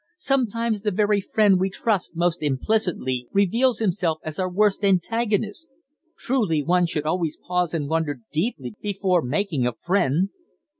Sometimes the very friend we trust most implicitly reveals himself as our worst antagonist. Truly one should always pause and ponder deeply before making a friend."